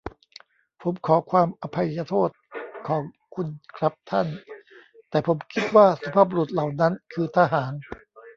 ผมขอความอภัยโทษของคุณครับท่าน แต่ผมคิดว่าสุภาพบุรุษเหล่านั้นคือทหาร ?